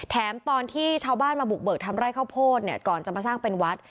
ตอนที่ชาวบ้านมาบุกเบิกทำไร่ข้าวโพดเนี่ยก่อนจะมาสร้างเป็นวัด